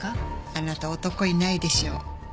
あなた男いないでしょ。